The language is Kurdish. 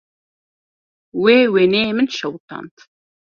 Wê wêneyê min şewitand.